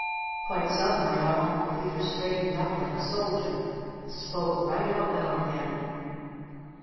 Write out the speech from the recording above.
Quite suddenly our Uncle Peter straightened up like a soldier and spoke right out loud again.